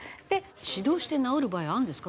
指導して治る場合あるんですか？